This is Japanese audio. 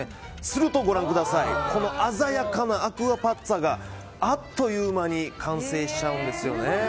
すると鮮やかなアクアパッツァがあっという間に完成しちゃうんですよね。